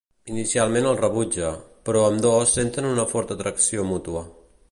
Inicialment el rebutja, però ambdós senten una forta atracció mútua.